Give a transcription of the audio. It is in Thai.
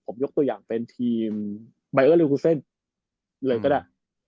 ผมยกตัวอย่างเป็นทีมใบเออร์ริวคูเซ่นเลยก็ได้